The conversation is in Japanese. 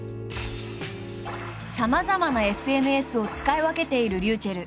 さまざまなＳＮＳを使い分けているｒｙｕｃｈｅｌｌ。